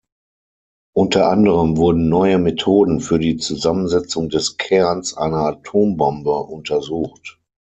Unter anderem wurden neue Methoden für die Zusammensetzung des Kerns einer Atombombe untersucht.